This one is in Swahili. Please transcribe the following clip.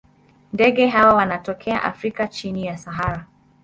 Ndege hawa wanatokea Afrika chini ya Sahara.